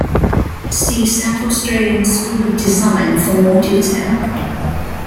See South Australian School of Design for more detail.